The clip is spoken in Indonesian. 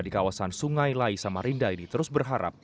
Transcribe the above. di kawasan sungai lai samarinda ini terus berharap